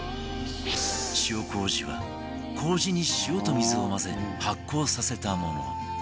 塩麹は麹に塩と水を混ぜ発酵させたもの